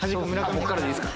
僕からでいいですか？